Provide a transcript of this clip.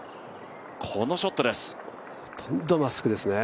このショットです。